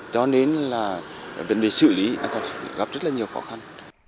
cho nên là vấn đề xử lý còn gặp rất là nhiều khó khăn